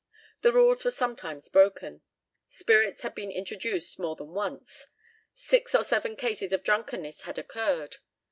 The rules were sometimes broken. Spirits had been introduced more than once; six or seven cases of drunkenness had occurred.